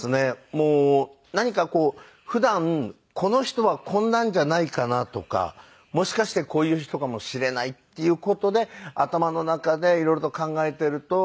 もう何かこう普段この人はこんなんじゃないかな？とかもしかしてこういう人かもしれないっていう事で頭の中で色々と考えていると。